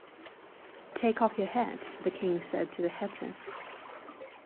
‘Take off your hat,’ the King said to the Hatter.